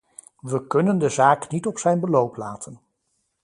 We kunnen de zaak niet op zijn beloop laten.